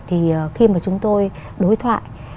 thì khi mà chúng tôi đối thoại